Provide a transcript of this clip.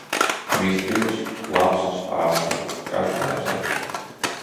Vistiņas! Lapsas asti! Kas dārzā!